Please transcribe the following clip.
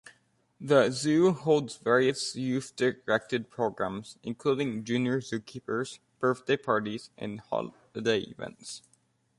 The zoo holds various youth-directed programs, including Junior Zookeepers, birthday parties and holiday events.